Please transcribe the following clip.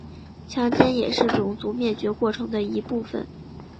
强奸也是种族灭绝过程的一部分。